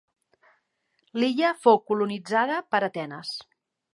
L'illa fou colonitzada per Atenes.